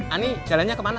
ani jalannya kemana